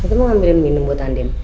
kau tuh mau ambilin minum buat andin